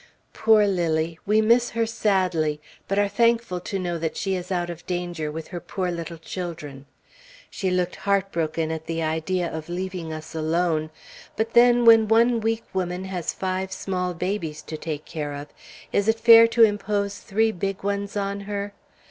Poor Lilly! We miss her sadly; but are thankful to know that she is out of danger with her poor little children. She looked heartbroken at the idea of leaving us alone; but then, when one weak woman has five small babies to take care of, is it fair to impose three big ones on her?